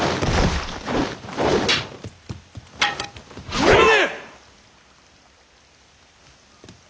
それまで！